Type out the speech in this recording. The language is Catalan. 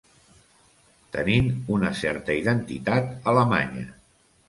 Tenint una certa identitat alemanya.